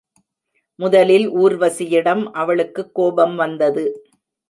முதலில் ஊர்வசியிடம் அவளுக்குக் கோபம் வந்தது.